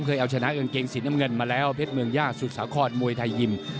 เคยเอาชนะกางเกงสีน้ำเงินมาแล้วเพชรเมืองย่าสุสาครมวยไทยยิม